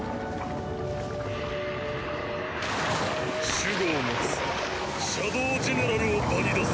守護を持つシャドウジェネラルを場に出す。